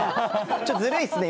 ちょっとずるいっすね